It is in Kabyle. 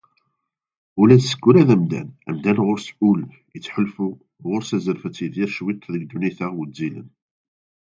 Ula d Sekkura d amdan, amdan ɣur-s ul, yettḥulfu, ɣur-s azref ad tidir cwiṭ deg ddunit-a wezzilen.